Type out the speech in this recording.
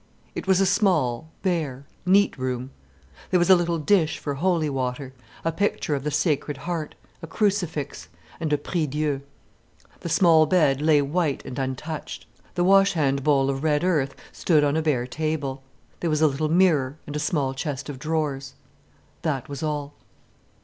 It was a small, bare, neat room. There was a little dish for holy water, a picture of the Sacred Heart, a crucifix, and a prie Dieu. The small bed lay white and untouched, the wash hand bowl of red earth stood on a bare table, there was a little mirror and a small chest of drawers. That was all.